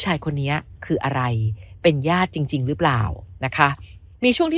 ชายคนนี้คืออะไรเป็นญาติจริงจริงหรือเปล่านะคะมีช่วงที่